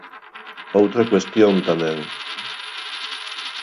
Outra cuestión tamén.